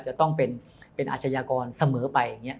จะต้องเป็นอาชญากรเสมอไปอย่างนี้